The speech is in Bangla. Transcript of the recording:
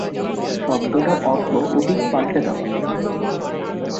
শব্দটার অর্থ অতীত পাল্টে দেওয়া।